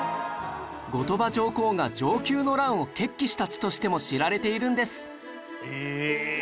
後鳥羽上皇が承久の乱を決起した地としても知られているんです